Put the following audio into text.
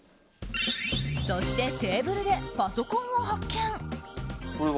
そして、テーブルでパソコンを発見。